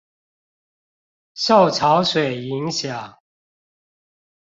受潮水影響